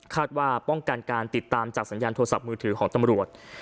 ว่าป้องกันการติดตามจากสัญญาณโทรศัพท์มือถือของตำรวจ